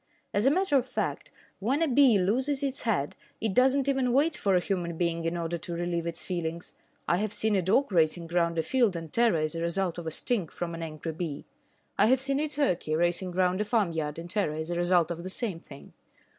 As a matter of fact, when a bee loses its head, it does not even wait for a human being in order to relieve its feelings, I have seen a dog racing round a field in terror as a result of a sting from an angry bee. I have seen a turkey racing round a farmyard in terror as a result of the same thing.